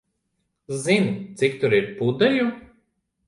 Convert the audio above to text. Zini, cik tur ir pudeļu?